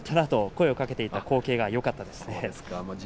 声をかけていた光景がよかったですね。